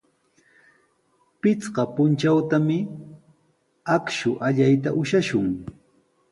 Pichqa puntrawtami akshu allayta ushashun.